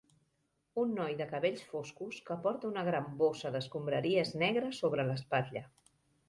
Un noi de cabells foscos que porta una gran bossa d'escombraries negra sobre l'espatlla.